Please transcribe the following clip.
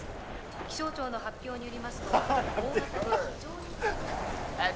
気象庁の発表によりますとハハッ何で？